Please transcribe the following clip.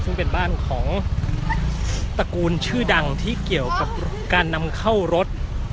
ซึ่งเป็นบ้านของตระกูลชื่อดังที่เกี่ยวกับการนำเข้ารถ